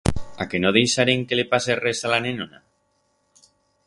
A que no deixarem que le pase res a la nenona?